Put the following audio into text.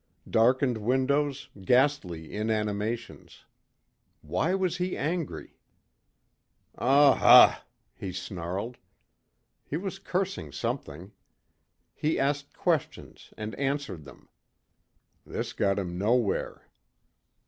Darkened windows, ghastly inanimations. Why was he angry? "Aw huh!" he snarled. He was cursing something. He asked questions and answered them. This got him nowhere.